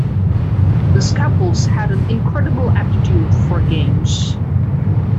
Deschapelles had an incredible aptitude for games.